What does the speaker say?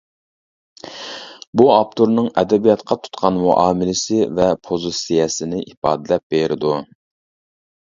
بۇ ئاپتورنىڭ ئەدەبىياتقا تۇتقان مۇئامىلىسى ۋە پوزىتسىيەسىنى ئىپادىلەپ بېرىدۇ.